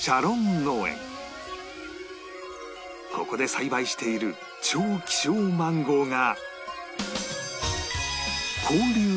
ここで栽培している超希少マンゴーが